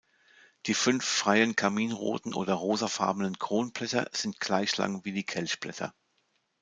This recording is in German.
Die fünf freien karminroten oder rosafarbenen Kronblätter sind gleich lang wie die Kelchblätter.